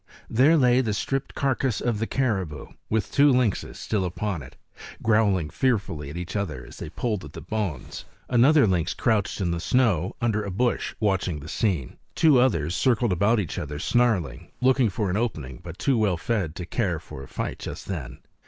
There lay the stripped carcass of the caribou with two lynxes still upon it, growling fearfully at each other as they pulled at the bones. Another lynx crouched in the snow, under a bush, watching the scene. Two others circled about each other snarling, looking for an opening, but too well fed to care for a fight just then.